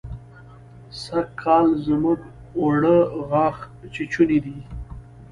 سرکال زموږ اوړه غاښ چيچوني دي.